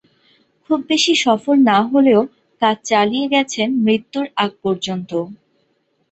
খুব বেশি সফল না হলেও কাজ চালিয়ে গেছেন মৃত্যুর আগ পর্যন্ত।